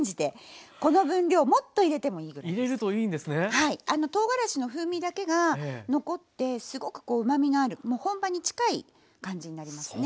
はいとうがらしの風味だけが残ってすごくこううまみのあるもう本場に近い感じになりますね。